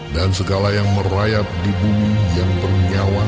dan segala yang merayap di bumi yang bernyawa